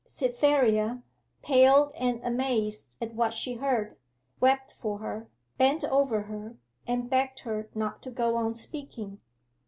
Cytherea, pale and amazed at what she heard, wept for her, bent over her, and begged her not to go on speaking.